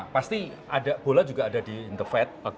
pasti ada bola juga ada di in the fed